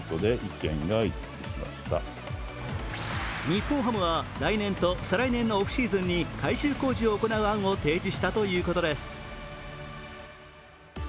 日本ハムは来年と再来年のオフシーズンに改修工事を行う案を提示したということです。